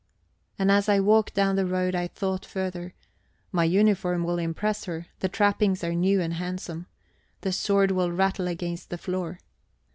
And as I walked down the road I thought further: My uniform will impress her; the trappings are new and handsome. The sword will rattle against the floor.